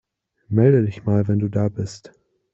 Melde dich mal, wenn du da bist.